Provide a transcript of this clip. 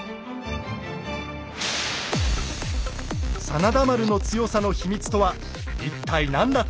真田丸の強さの秘密とは一体何だったのか。